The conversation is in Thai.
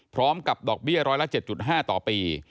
พร้อมกับดอกเบี้ยร้อยละ๗๕ต่อปี